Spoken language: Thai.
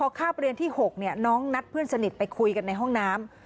คาบเรียนที่๖น้องนัดเพื่อนสนิทไปคุยกันในห้องน้ำ